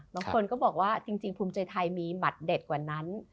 บางคนก็บอกว่าจริงภูมิใจไทยมีบัตรเด็ดกว่านั้น